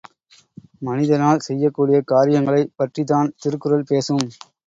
மனிதனால் செய்யக்கூடிய காரியங்களைப் பற்றித்தான் திருக்குறள் பேசும்.